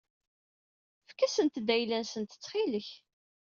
Efk-asent-d ayla-nsent ttxil-k.